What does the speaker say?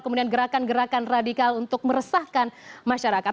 kemudian gerakan gerakan radikal untuk meresahkan masyarakat